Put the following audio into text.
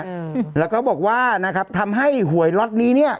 อืมแล้วก็บอกว่านะครับทำให้หวยล็อตนี้เนี้ย